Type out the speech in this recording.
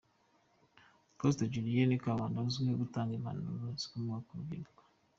Pastor Julienne Kabanda azwiho gutanga impanuro zikomeye ku rubyiruko.